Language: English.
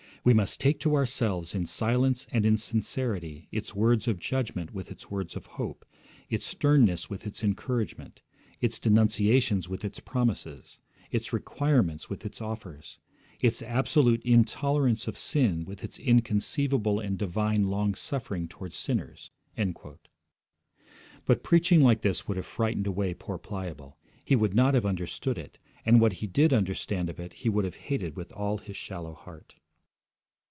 We must take to ourselves in silence and in sincerity its words of judgment with its words of hope, its sternness with its encouragement, its denunciations with its promises, its requirements, with its offers, its absolute intolerance of sin with its inconceivable and divine long suffering towards sinners.' But preaching like this would have frightened away poor Pliable. He would not have understood it, and what he did understand of it he would have hated with all his shallow heart.